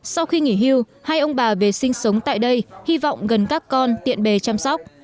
sau khi nghỉ hưu hai ông bà về sinh sống tại đây hy vọng gần các con tiện bề chăm sóc